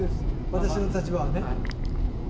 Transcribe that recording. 私の立場をね。